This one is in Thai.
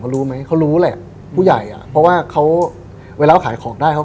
เดี๋ยวห้าออก